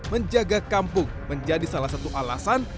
menjaga kampung menjadi salah satu alasan